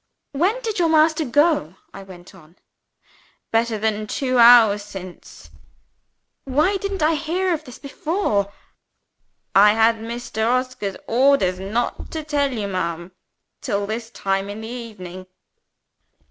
"When did your master go?" I went on. "Better than two hours since." "Why didn't I hear of it before?" "I had Mr. Oscar's orders not to tell you, ma'am, till this time in the evening."